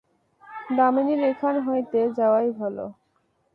দামিনীর এখান হইতে যাওয়াই ভালো।